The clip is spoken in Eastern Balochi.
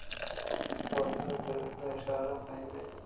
بانز ءَ گُراگ ءِ اِشارہ فہم اِت